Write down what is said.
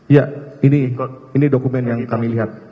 ya ini dokumen yang kami lihat